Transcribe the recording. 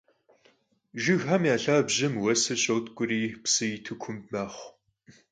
Jjıgxem ya lhabjem vuesır şotk'uri psı yitu kumb mexhu.